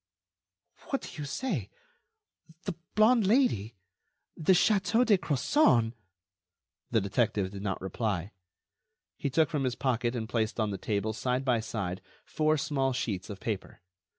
"What do you say?... The blonde Lady ... the Château de Crozon...." The detective did not reply. He took from his pocket and placed on the table, side by side, four small sheets of paper.